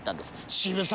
渋沢